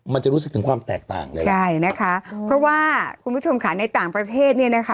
มันจะรู้สึกถึงความแตกต่างคุณผู้ชมขาในต่างประเทศ